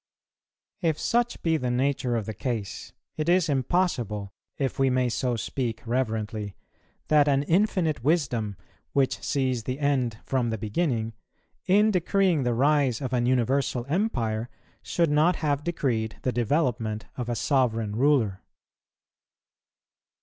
If such be the nature of the case, it is impossible, if we may so speak reverently, that an Infinite Wisdom, which sees the end from the beginning, in decreeing the rise of an universal Empire, should not have decreed the development of a sovereign ruler.